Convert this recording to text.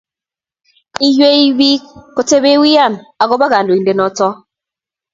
iywei biik kotebi wian agoba kandoitindet noto